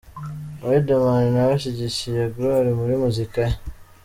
Riderman nawe ashyigikiye Gloire muri Muzika ye.